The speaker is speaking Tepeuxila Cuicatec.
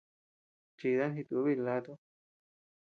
Chidan jitubiy laatu.